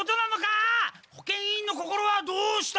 保健委員の心はどうした！